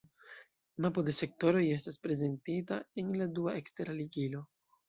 Mapo de sektoroj estas prezentita en la dua ekstera ligilo.